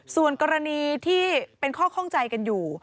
ส่วนกรณีที่เป็นข้อข้องใจกันอยู่